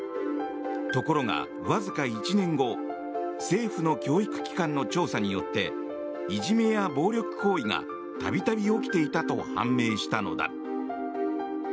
ところが、わずか１年後政府の教育機関の調査によっていじめや暴力行為が度々起きていたと判明したのだ。